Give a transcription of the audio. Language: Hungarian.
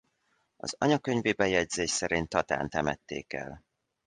Az anyakönyvi bejegyzés szerint Tatán temették el.